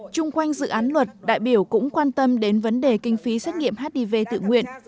trung quanh dự án luật đại biểu cũng quan tâm đến vấn đề kinh phí xét nghiệm hiv tự nguyện